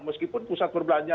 meskipun pusat perbelanjaan